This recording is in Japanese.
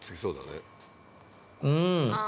うん。